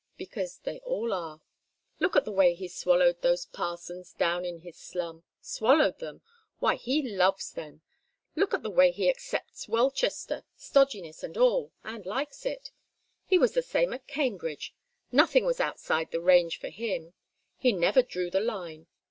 Because they all are. Look at the way he swallowed those parsons down in his slum. Swallowed them why, he loves them. Look at the way he accepts Welchester, stodginess and all, and likes it. He was the same at Cambridge; nothing was outside the range for him; he never drew the line.